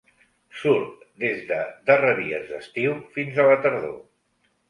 Surt des de darreries d'estiu fins a la tardor.